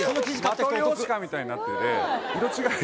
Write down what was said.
マトリョーシカみたいになってて。